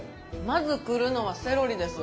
まずくるのはセロリです。